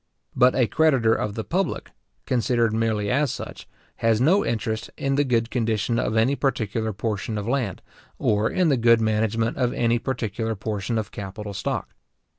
But a creditor of the public, considered merely as such, has no interest in the good condition of any particular portion of land, or in the good management of any particular portion of capital stock.